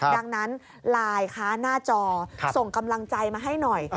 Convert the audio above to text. ดังนั้นไลน์คะหน้าจอส่งกำลังใจมาให้หน่อย